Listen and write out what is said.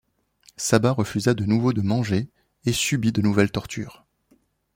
Saba refusa de nouveau de manger et subit de nouvelles tortures.